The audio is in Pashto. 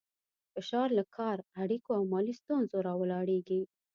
فشار له کار، اړیکو او مالي ستونزو راولاړېږي.